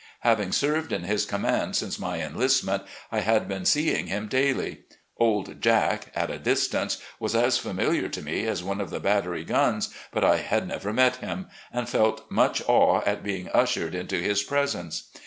Having served in his command since my enlistment, I had been seeing him daily. "Old Jack," 82 RECOLLECTIONS OF GENERAL LEE at a distance, was as familiar to me as one of the battery guns, but I had never met him, and felt much awe at being udiered into his presence.